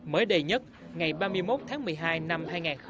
mới đây nhất ngày ba mươi một tháng một mươi hai năm hai nghìn một mươi năm